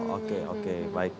oke oke baiknya